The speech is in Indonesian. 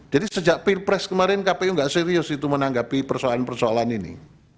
jadi sejak pilpres kemarin kpu gak serius itu menanggapi persoalan persoalan ini